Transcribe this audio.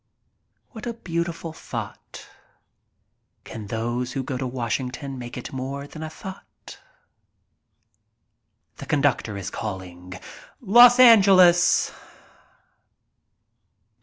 What a beautiful thought. Can those who go to Wash ington make it more than a thought ? The conductor is calling: "Los Angeles."